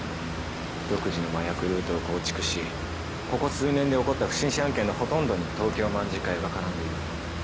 独自の麻薬ルートを構築しここ数年で起こった不審死案件のほとんどに東京卍會が絡んでいるとも。